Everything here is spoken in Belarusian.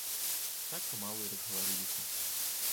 Так памалу й разгаварыліся.